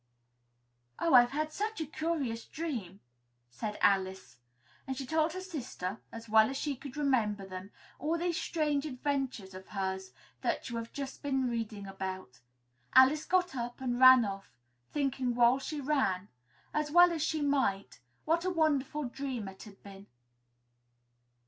"Oh, I've had such a curious dream!" said Alice. And she told her sister, as well as she could remember them, all these strange adventures of hers that you have just been reading about. Alice got up and ran off, thinking while she ran, as well she might, what a wonderful dream it had been.